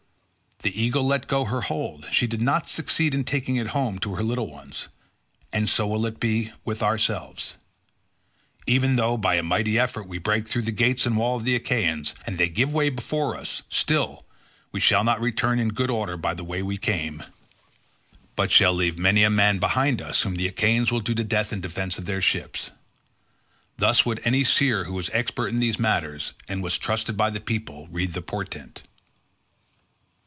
The eagle let go her hold; she did not succeed in taking it home to her little ones, and so will it be—with ourselves; even though by a mighty effort we break through the gates and wall of the Achaeans, and they give way before us, still we shall not return in good order by the way we came, but shall leave many a man behind us whom the Achaeans will do to death in defence of their ships. Thus would any seer who was expert in these matters, and was trusted by the people, read the portent."